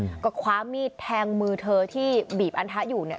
อืมก็คว้ามีดแทงมือเธอที่บีบอันทะอยู่เนี่ย